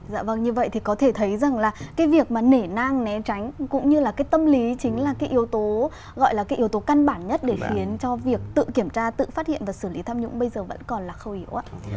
dạ vâng như vậy thì có thể thấy rằng là cái việc mà nể nang né tránh cũng như là cái tâm lý chính là cái yếu tố gọi là cái yếu tố căn bản nhất để khiến cho việc tự kiểm tra tự phát hiện và xử lý tham nhũng bây giờ vẫn còn là khâu hiểu